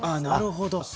なるほど。